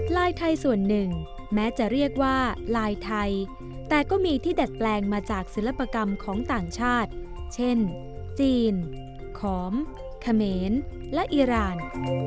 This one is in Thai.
ลายไทยส่วนหนึ่งแม้จะเรียกว่าลายไทยแต่ก็มีที่ดัดแปลงมาจากศิลปกรรมของต่างชาติเช่นจีนขอมเขมรและอีราน